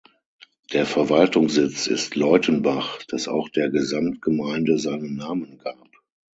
Der Verwaltungssitz ist Leutenbach, das auch der Gesamtgemeinde seinen Namen gab.